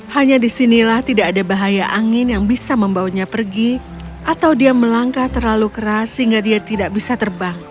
hanya disinilah tidak ada bahaya angin yang bisa membawanya pergi atau dia melangkah terlalu keras sehingga dia tidak bisa terbang